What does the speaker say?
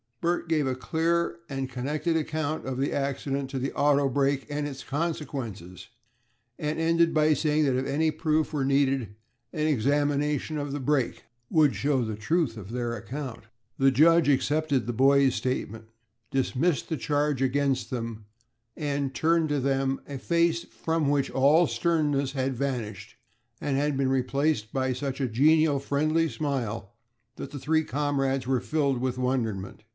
Bert gave a clear and connected account of the accident to the auto brake, and its consequences, and ended by saying, that if any proof were needed, an examination of the brake would show the truth of their account. The judge accepted the boy's statement, dismissed the charge against them, and turned to them a face from which all sternness had vanished, and been replaced by such a genial, friendly smile, that the three comrades were filled with wonderment.